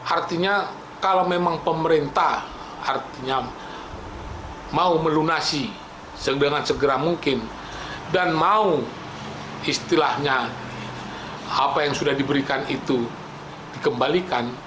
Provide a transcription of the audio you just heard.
artinya kalau memang pemerintah artinya mau melunasi dengan segera mungkin dan mau istilahnya apa yang sudah diberikan itu dikembalikan